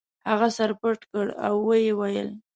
هغه سر پټ کړ او ویې ویل.